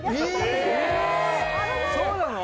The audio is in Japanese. そうなの？